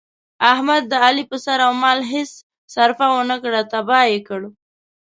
احمد د علي په سر او مال هېڅ سرفه ونه کړه، تیاه یې کړ.